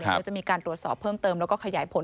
เดี๋ยวจะมีการตรวจสอบเพิ่มเติมแล้วก็ขยายผล